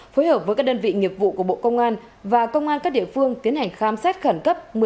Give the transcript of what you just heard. phối hợp với các đơn vị nghiệp vụ của bộ công an và công an các địa phương tiến hành khám xét khẩn cấp